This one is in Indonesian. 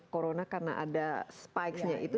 karena ada spikes nya itu